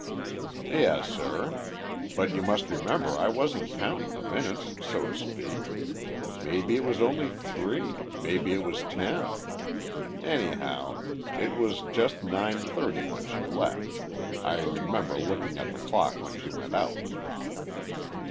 "Yes, sir but you must remember I wasn't countin' the minutes, so to speak. Maybe it was only three maybe it was ten. Anyhow, it was just nine thirty when she left. I remember looking at the clock when she went out."